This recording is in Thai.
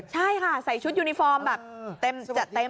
ใช่ค่ะใส่ชุดยูนิฟอร์มแบบเต็ม